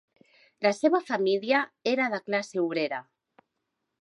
La seva família era de classe obrera.